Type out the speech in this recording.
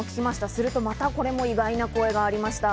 すると、またこれも意外な声がありました。